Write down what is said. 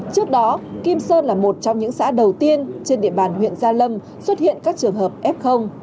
trước đó kim sơn là một trong những xã đầu tiên trên địa bàn huyện gia lâm xuất hiện các trường hợp f